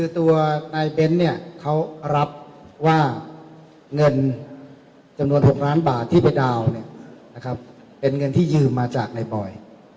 ตัวนายเบ้นเนี่ยเขารับว่าเงินจำนวน๖ล้านบาทที่ไปดาวน์เป็นเงินที่ยืมมาจากนายบอย